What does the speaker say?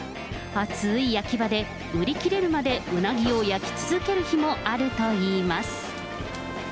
暑い焼き場で売り切れるまでうなぎを焼き続ける日もあるといいます。